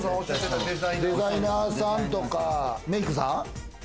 デザイナーさんとかメイクさん？